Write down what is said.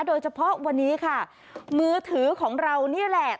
โดยเฉพาะวันนี้ค่ะมือถือของเรานี่แหละ